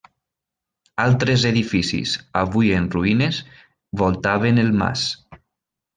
Altres edificis, avui en ruïnes, voltaven el mas.